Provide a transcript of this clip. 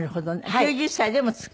９０歳でもつく？